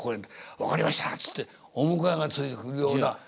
「分かりました」っつってお迎えがついてくるような。